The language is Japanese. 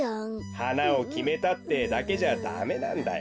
はなをきめたってだけじゃダメなんだよ。